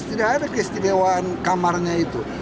tidak ada keistimewaan kamarnya itu